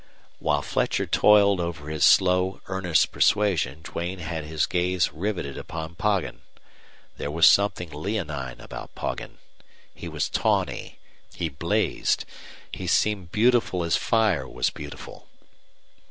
While Fletcher toiled over his slow, earnest persuasion Duane had his gaze riveted upon Poggin. There was something leonine about Poggin. He was tawny. He blazed. He seemed beautiful as fire was beautiful.